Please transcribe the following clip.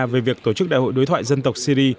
về việc tổ chức đại hội đối thoại dân tộc syri